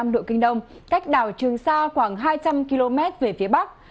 một trăm một mươi hai năm độ kinh đông cách đảo trường sa khoảng hai trăm linh km về phía bắc